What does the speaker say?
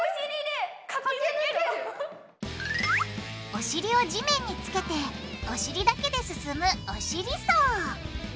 お尻を地面につけてお尻だけで進む「お尻走」！